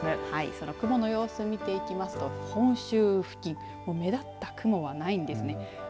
その雲の様子を見ていきますと本州付近目立った雲はないんですね。